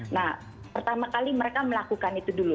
nah pertama kali mereka melakukan itu dulu